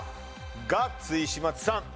ガッツ石松さん。